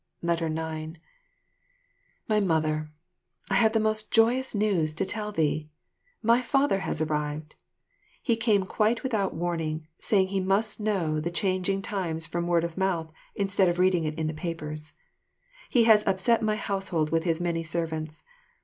9 My Mother, I have most joyful news to tell thee. My father has arrived! He came quite without warning, saying he must know the changing times from word of mouth instead of reading it in papers. He has upset my household with his many servants.